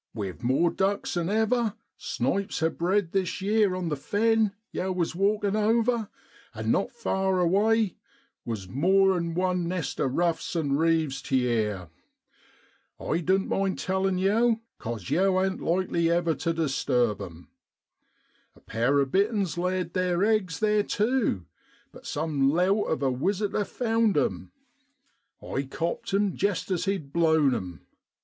We've more ducks 'an ever; snipes ha' bred this yeer on the fen yow was walkin' over, and not far away was more 'an one nest of ruffs an' reeves t' year. I doan't mind tellin' yow, 'cos yow ain't likely ever to disturb 'em. A pair of bitterns laid theer eggs there tu, but some lout of a wisi tor found 'em. I copt him jest as he'd blown 'em.